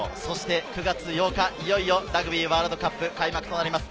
９月８日、いよいよラグビーワールドカップ開幕となります。